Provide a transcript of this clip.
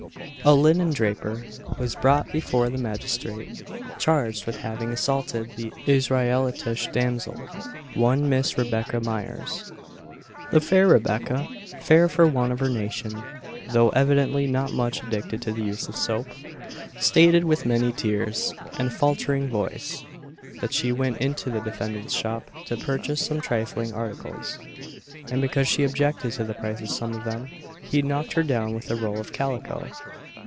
A linen draper was brought before the magistrate charged with having assaulted an Israelitish damsel one Miss Rebecca Myers. The fair Rebecca (fair for one of her nation, though evidently not much addicted to the use of soap) stated with many tears, and a faltering voice, that she went into the defendant's shop to purchase some trifling articles; and because she objected to the price of some of them, he knocked her down with a roll of calico!